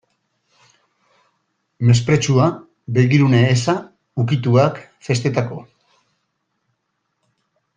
Mespretxua, begirune eza, ukituak, festetako.